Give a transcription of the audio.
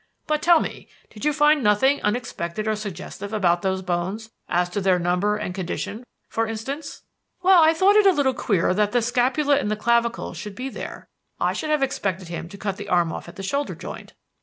But, tell me, did you find nothing unexpected or suggestive about those bones as to their number and condition, for instance?" "Well, I thought it a little queer that the scapula and clavicle should be there. I should have expected him to cut the arm off at the shoulder joint."